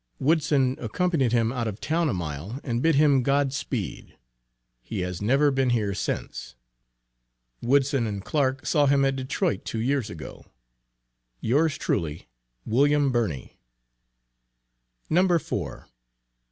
Woodson accompanied him out of town a mile and bid him "God speed." He has never been here since. Woodson and Clark saw him at Detroit two years ago. Yours truly, WILLIAM BIRNEY. [No. 4.